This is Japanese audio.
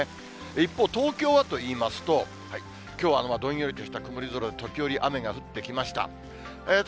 一方、東京はといいますと、きょうはどんよりとした曇り空で、時折雨が降ってきました。